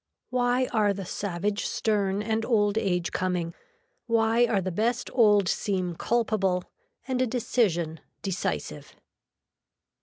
Why are the savage stern and old age coming. Why are the best old seem culpable and a decision, decisive.